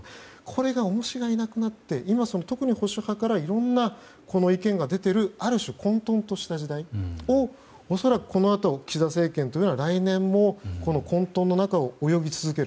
その重しがいなくなって特に保守派からいろいろな意見が出ているある種、混沌とした時代を恐らく、このあと岸田政権は来年もこの混沌の中を泳ぎ続ける。